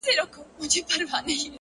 هره تجربه د ژوند نوې پوهه راوړي.!